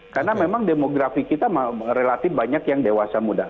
karena memang demografi kita relatif banyak yang dewasa muda